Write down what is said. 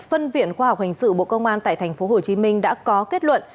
phân viện khoa học hành sự bộ công an tại tp hcm đã có kết luận